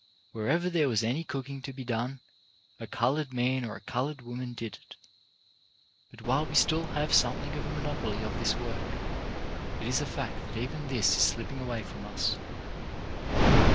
Wherever there was any cooking to be done, a coloured man or a coloured woman did it. But while we still have something of a monopoly of this work, it is a fact that even this is slipping away from us.